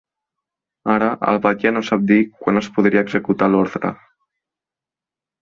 Ara, el batlle no sap dir quan es podria executar l’ordre.